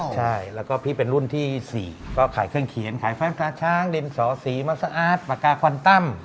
ใช่แล้วก็พี่เป็นรุ่นที่๔ก็ขายเครื่องเขียนขายฟันกาช้างดินสอสีมัสอาร์ตปากกาควันตั้ม